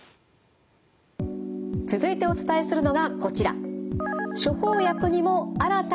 続いてお伝えするのがこちら。